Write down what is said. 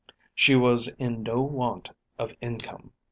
She was in no want of income.